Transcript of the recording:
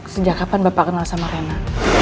sejak kapan bapak kenal sama rena